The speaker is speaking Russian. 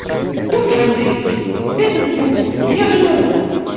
Петр Андреич! Этого я от тебя не ожидала.